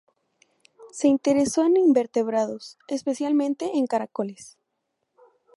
Se interesó en invertebrados, especialmente en caracoles.